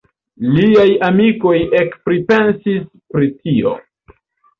Liaj amikoj ekpripensis pri tio.